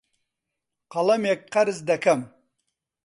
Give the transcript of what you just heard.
قەڵەمێک قەرز دەکەم.